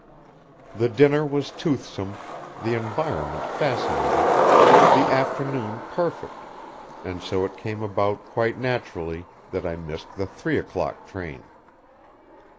The dinner was toothsome, the environment fascinating, the afternoon perfect, and so it came about quite naturally that I missed the three o'clock train.